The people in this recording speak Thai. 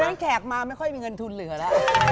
เพราะฉะนั้นแขกมาไม่ค่อยมีเงินทุนเหลือละ